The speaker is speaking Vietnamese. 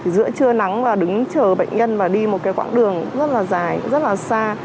giữa trưa nắng và đứng chờ bệnh nhân mà đi một cái quãng đường rất là dài rất là xa